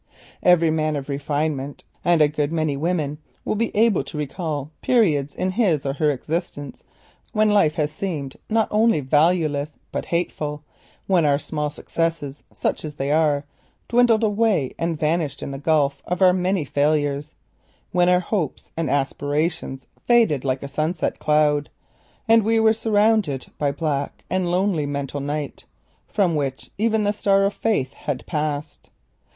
Every man of refinement, and many women, will be able to recall periods in his or her existence when life has seemed not only valueless but hateful, when our small successes, such as they are, dwindled away and vanished in the gulf of our many failures, when our hopes and aspirations faded like a little sunset cloud, and we were surrounded by black and lonely mental night, from which even the star of Faith had passed.